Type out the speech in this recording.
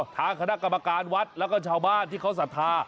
ทางคณะกรรมการวัดแล้วก็ชาวบ้านที่เขาศรัทธา